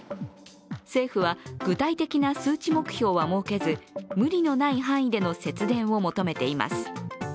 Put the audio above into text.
政府は具体的な数値目標は設けず無理のない範囲での節電を求めています。